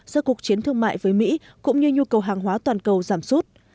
do cuộc chiến thương mại với mỹ cũng như nhu cầu hàng hóa toàn cầu giảm sút